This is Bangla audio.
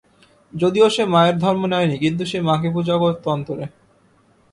যদিও সে মায়ের ধর্ম নেয় নি, কিন্তু সে মাকে পূজা করত অন্তরে।